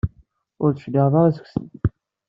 Ur d-tecliɛeḍ ara seg-sent.